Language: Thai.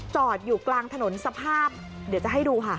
จอดอยู่กลางถนนสภาพเดี๋ยวจะให้ดูค่ะ